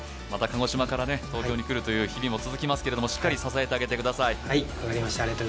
また鹿児島から東京に来るという日々も続きますけれども、しっかり支えてあげてください。